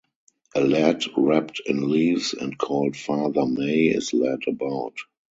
A lad wrapped in leaves and called Father May is led about.